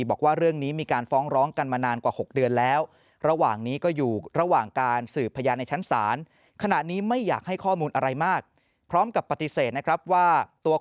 บอกว่าเรื่องนี้มีการฟ้องร้องกลายมานานกว่า